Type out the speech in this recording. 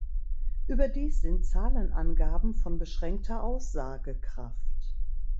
Überdies sind Zahlenangaben von beschränkter Aussagekraft.